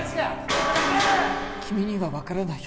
君には分からないよ